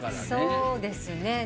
そうですね。